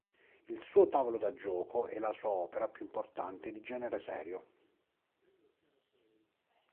Il suo "Tavolo da gioco" è la sua opera più importante di genere serio.